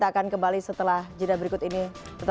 apa saja kendala yang di alami orang indonesia